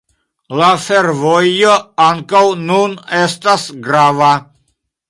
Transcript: La fervojo ankaŭ nun estas grava.